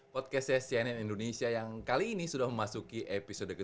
podcastnya cnn indonesia yang kali ini sudah memasuki episode